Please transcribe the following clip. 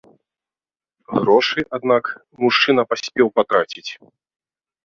Грошы, аднак, мужчына паспеў патраціць.